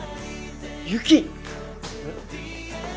雪！